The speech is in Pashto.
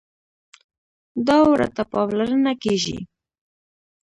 دا ورته پاملرنه کېږي.